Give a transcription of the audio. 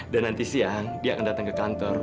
dan nanti siang dia akan datang ke kantor